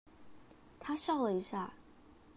她笑了一下